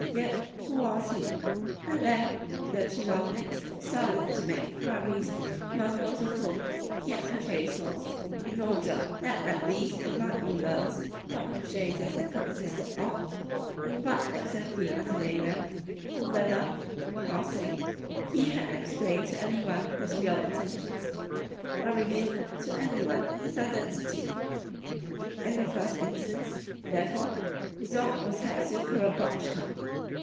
Yet who was he? At length the tchinovniks decided to make enquiries among those of whom he had purchased souls, in order that at least it might be learnt what the purchases had consisted of, and what exactly underlay them, and whether, in passing, he had explained to any one his real intentions, or revealed to any one his identity. In the first instance, therefore, resort was had to Korobotchka.